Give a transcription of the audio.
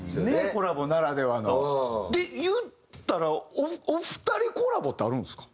コラボならではの。で言ったらお二人コラボってあるんですか？